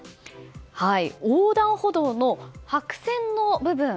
横断歩道の白線の部分。